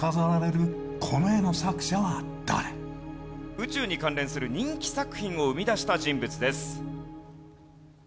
宇宙に関連する人気作品を生み出した人物です。